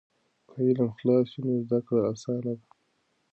که علم خالص وي نو زده کړه اسانه ده.